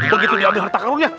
begitu dia ambil harta karunnya